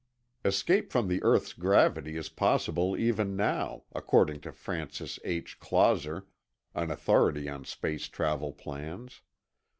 Escape from the earth's gravity is possible even now, according to Francis H. Clauser, an authority on space travel plans.